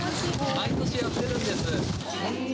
毎年やってるんです。